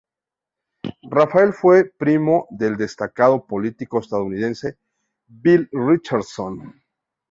Rafael fue primo del destacado político estadounidense Bill Richardson.